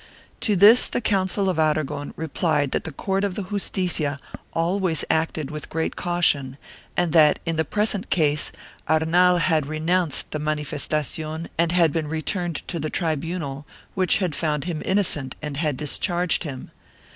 To this the Council of Aragon replied that the court of the Justicia always acted with great caution and that, in the present case, Arnal had renounced the manif estacion and had been returned to the tribunal, which had found him innocent and had discharged him.